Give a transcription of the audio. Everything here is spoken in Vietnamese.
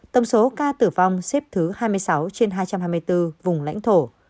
tổng số ca tử vong xếp thứ hai mươi sáu trên hai trăm hai mươi bốn vùng lãnh thổ